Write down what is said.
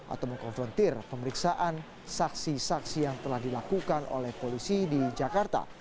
atau mengkonfrontir pemeriksaan saksi saksi yang telah dilakukan oleh polisi di jakarta